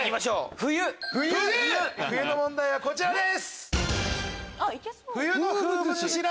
「冬」の問題はこちらです。